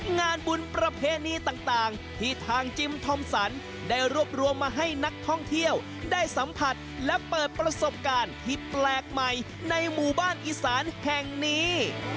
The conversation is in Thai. งานบุญประเพณีต่างที่ทางจิมทอมสันได้รวบรวมมาให้นักท่องเที่ยวได้สัมผัสและเปิดประสบการณ์ที่แปลกใหม่ในหมู่บ้านอีสานแห่งนี้